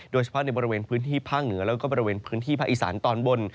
โดยเฉพาะในบริเวณพื้นที่ภาคเหนือแล้วก็บริเวณพื้นที่ภาคอีสานตอนบน